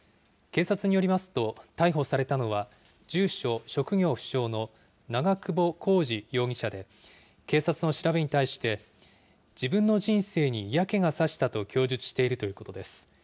警察によりますと、逮捕されたのは、住所・職業不詳の長久保浩二容疑者で、警察の調べに対して、自分の人生に嫌気がさしたと供述しているということです。